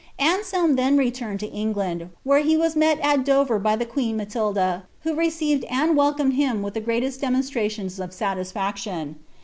Anselm then returned to En^nd, where he was met at Dover by the queen Matilda, who received and welcomed him with the greatest demonstrations of satisfaction.